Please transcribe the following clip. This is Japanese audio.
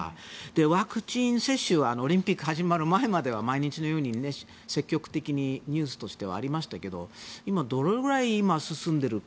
ワクチン接種はオリンピック始まる前までは毎日のように積極的にニュースとしてはありましたけど今、どれくらい進んでるか